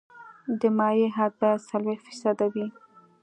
د مایع حد باید څلوېښت فیصده وي